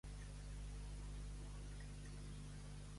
De què s'ha queixat Sturgeon a Twitter?